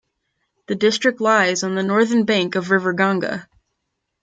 The district lies on the northern bank of river Ganga.